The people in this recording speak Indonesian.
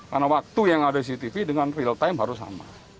karena waktu yang ada di cctv dengan real time harus sama